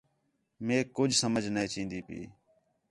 میک کُج سمجھ نے چین٘دی ہَئی